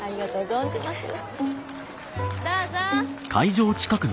どうぞ！